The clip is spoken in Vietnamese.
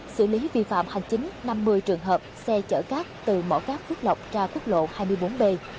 xử lý vi phạm hành chính năm mươi trường hợp xe chở cát từ mỏ cát phước lọc ra quốc lộ hai mươi bốn b